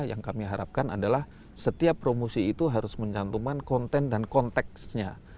yang kami harapkan adalah setiap promosi itu harus mencantumkan konten dan konteksnya